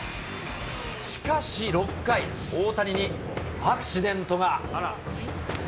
しかし６回、大谷にアクシデントが。